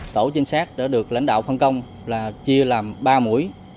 tổ chính xác đã được lãnh đạo phân công là chia làm ba mũi